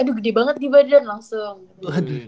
aduh gede banget nih badan langsung